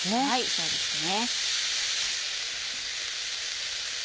そうですね。